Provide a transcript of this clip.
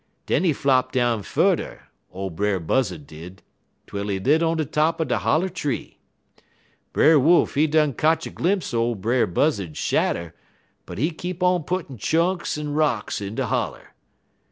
Den he flop down furder, ole Brer Buzzud did, twel he lit on de top er de holler tree. Brer Wolf, he done kotch a glimpse er ole Brer Buzzud shadder, but he keep on puttin' chunks en rocks in de holler.